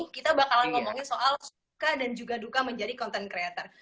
kita bakalan ngomongin soal suka dan juga duka menjadi content creator